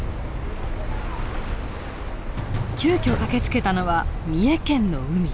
急きょ駆けつけたのは三重県の海。